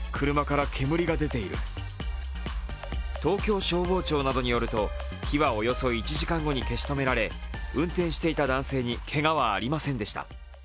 東京消防庁などによると火はおよそ１時間後に消し止められ運転していた男性にけがはありませんでした。